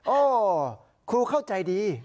โอ้ครูเข้าใจดี